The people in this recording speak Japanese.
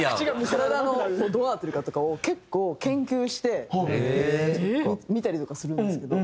体のどうなってるかとかを結構研究して見たりとかするんですけど。